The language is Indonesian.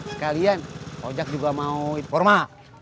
sekalian ojak juga mau informa